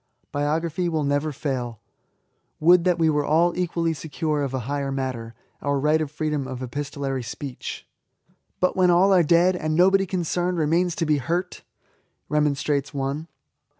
Biography will never fail. Would that we were all equally secure of a higher matter, — our right of freedom of epistolary speech ! "But when all are dead, — ^and nobody con cerned remains to be hurt?" remonstrates one.